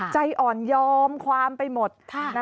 ใจอ่อนยอมความไปหมด